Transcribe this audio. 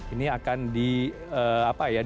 ini akan di apa ya